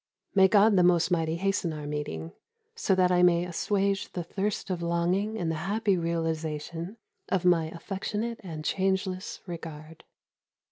May God the Most Mighty hasten our meeting, so that I may assuage the thirst of longing in the happy realisation of my affectionate and changeless regard.